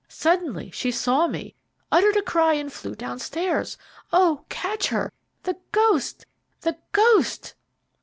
Suddenly she saw me, uttered a cry, and flew downstairs. Oh, catch her, the ghost! the ghost!"